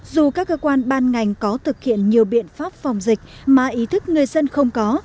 dù các cơ quan ban ngành có thực hiện nhiều biện pháp phòng dịch mà ý thức người dân không có